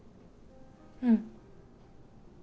うん。